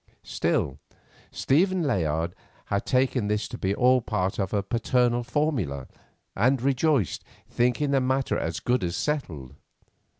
Still, Stephen Layard had taken this to be all a part of the paternal formula, and rejoiced, thinking the matter as good as settled.